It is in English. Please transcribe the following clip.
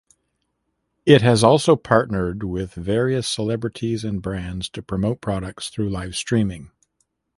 It has also partnered with various celebrities and brands to promote products through livestreaming.